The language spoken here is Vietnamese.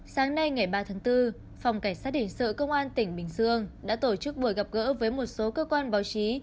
sáng nay ngày ba tháng bốn phòng cảnh sát hình sự công an tỉnh bình dương đã tổ chức buổi gặp gỡ với một số cơ quan báo chí